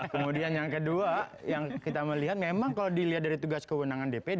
kemudian yang kedua yang kita melihat memang kalau dilihat dari tugas kewenangan dpd